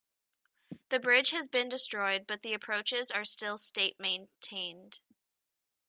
The bridge has been destroyed, but the approaches are still state-maintained.